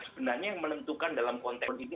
sebenarnya yang menentukan dalam konteks ini